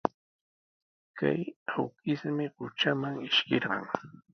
Kay awkishmi qutraman ishkirqan.